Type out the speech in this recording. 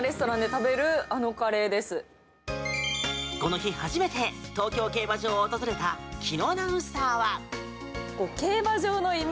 この日初めて東京競馬場を訪れた紀アナウンサーは。